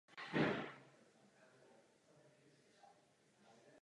Mohou být tedy popsány jako přechodná forma souboru praktických znalostí ve vědě.